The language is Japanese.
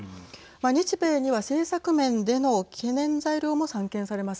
日米には政策面での懸念材料も散見されます。